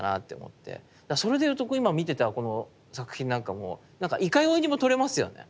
だからそれで言うと今見てたこの作品なんかもいかようにも取れますよね。